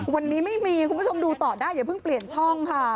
วันนี้ไม่มีคุณผู้ชมดูต่อได้อย่าเพิ่งเปลี่ยนช่องค่ะ